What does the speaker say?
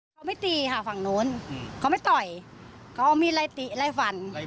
เขาไม่ตีค่ะฝั่งโน้นอืมเขาไม่ต่อยเขามีไร่ติไร่ฟัน